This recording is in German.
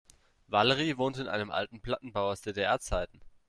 Valerie wohnt in einem alten Plattenbau aus DDR-Zeiten.